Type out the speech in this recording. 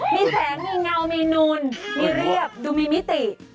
มีแสงมีเงามีนูนมีเรียบดูมีมิติ